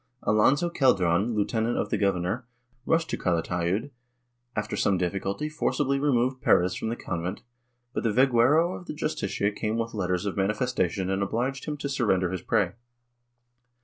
Alonso Celdran, lieu tenant of the governor, rushed to Calatayud and, after some diffi culty, forcibly removed Perez from the convent, but the veguero of the Justicia came with letters of manifestacion and obliged him to surrender his prey.